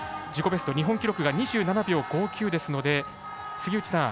ベスト日本記録が２７秒５９ですので杉内さん